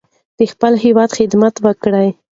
د خپل هیواد خدمت وکړئ.